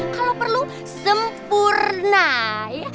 kalau perlu sempurna ya